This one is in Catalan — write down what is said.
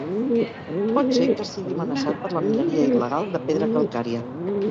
Pot ser que estigui amenaçat per la mineria il·legal de pedra calcària.